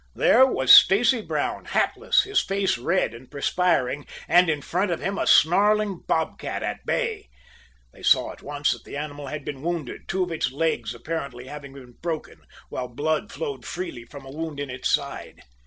There was Stacy Brown, hatless, his face red and perspiring, and in front of him a snarling bob cat at bay. They saw at once that the animal had been wounded, two of its legs apparently having been broken, while blood flowed freely from a wound in its side.